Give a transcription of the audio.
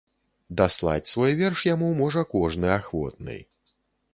Даслаць свой верш яму можа кожны ахвотны.